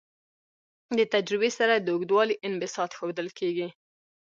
دې تجربې سره د اوږدوالي انبساط ښودل کیږي.